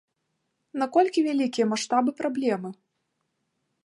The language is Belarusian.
Наколькі вялікія маштабы праблемы?